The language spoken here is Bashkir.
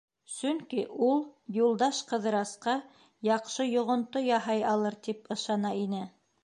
Сөнки ул, Юлдаш Ҡыҙырасҡа яҡшы йоғонто яһай алыр, тип ышана ине.